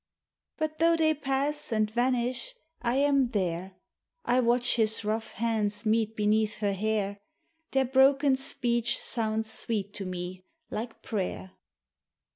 But though they pass, and vanish, I am there. I watch his rough hands meet beneath her hair, Their broken speech sounds sweet to me like prayer.